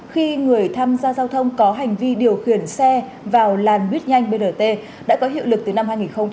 khi người tham gia giao thông có hành vi điều khiển xe vào làn tuyết nhanh brt đã có hiệu lực từ năm hai nghìn một mươi